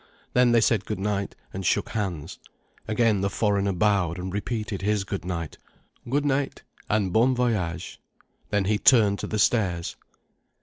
Then they said good night, and shook hands. Again the foreigner bowed and repeated his good night. "Good night, and bon voyage." Then he turned to the stairs.